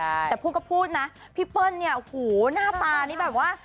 ใช่แต่พูดก็พูดนะพี่เปิ้ลเนี่ยโอ้โหหน้าตานี่แบบว่า